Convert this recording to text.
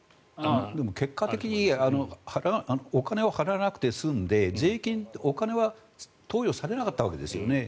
でも結果的にお金を払わなくて済んで税金、お金は投与されなかったわけですよね。